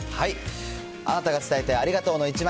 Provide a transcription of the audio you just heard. あなたが伝えたいありがとうの１枚。